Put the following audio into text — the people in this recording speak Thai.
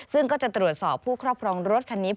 ซึ่งก็จะตรวจสอบผู้ครอบครองรถคันนี้